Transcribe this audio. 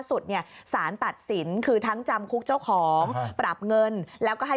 สุดเนี่ยสารตัดสินคือทั้งจำคุกเจ้าของปรับเงินแล้วก็ให้